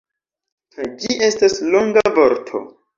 Kaj... ĝi estas longa vorto.